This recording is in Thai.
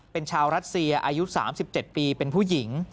เป็นชาวรัสเซียอายุ๓๗ปีเป็นผู้หญิง